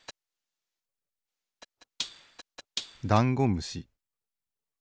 ダンゴムシ。